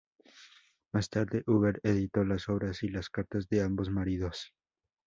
Más tarde, Huber editó las obras y las cartas de ambos maridos.